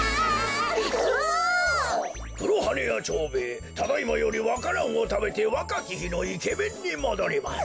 黒羽屋蝶兵衛ただいまよりわか蘭をたべてわかきひのイケメンにもどります。